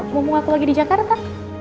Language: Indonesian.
ngomong aku lagi di jakarta